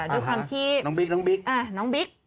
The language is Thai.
ด้วยความที่น้องบิ๊ก